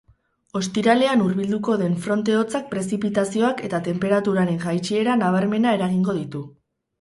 Ostiralean hurbilduko den fronte hotzak prezipitazioak eta tenperaturaren jaitsiera nabarmena eragingo ditu.